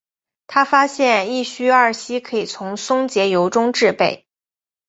他发现异戊二烯可以从松节油中制备。